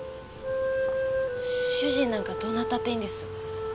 主人なんかどうなったっていいんです。